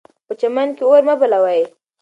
په چمن کې اور مه بلئ.